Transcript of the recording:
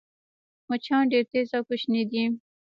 مچان ډېر تېز او کوچني دي